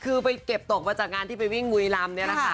คือไปเก็บตกมาจากงานที่ไปวิ่งบุรีรำนี่แหละค่ะ